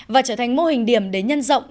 và trở thành mô hình điểm đến nhân rộng